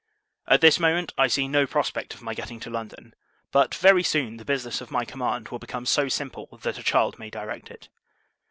At this moment, I see no prospect of my getting to London; but, very soon, the business of my command will become so simple, that a child may direct it.